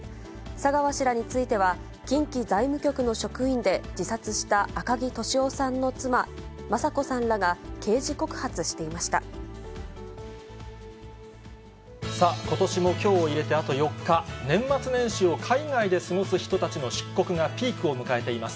佐川氏らについては、近畿財務局の職員で自殺した赤木俊夫さんの妻、雅子さんらが刑事さあ、ことしもきょうを入れてあと４日、年末年始を海外で過ごす人たちの出国がピークを迎えています。